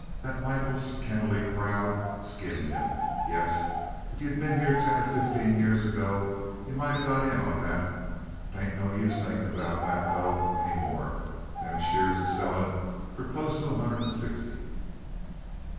That Michaels Kennelly crowd skinned him. Yep, if you'd 'a' been here ten or fifteen years ago you might 'a' got in on that. 'Tain't no use a thinkin' about that, though, any more. Them sheers is sellin' fer clost onto a hundred and sixty."